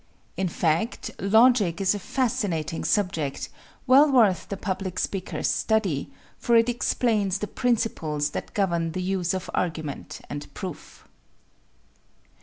In fact, logic is a fascinating subject, well worth the public speaker's study, for it explains the principles that govern the use of argument and proof.